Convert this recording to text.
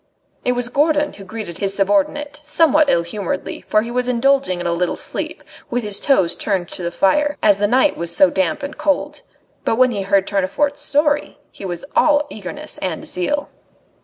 It was Gourdon who greeted his subordinate, somewhat ill humouredly, for he was indulging in a little sleep, with his toes turned to the fire, as the night was so damp and cold. But when he heard Tournefort's story, he was all eagerness and zeal.